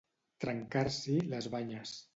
Trencar-s'hi les banyes.